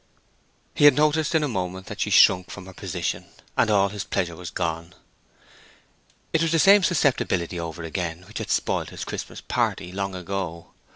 He had noticed in a moment that she shrunk from her position, and all his pleasure was gone. It was the same susceptibility over again which had spoiled his Christmas party long ago.